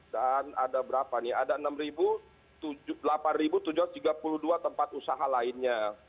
dan ada berapa nih ada enam delapan tujuh ratus tiga puluh dua tempat usaha lainnya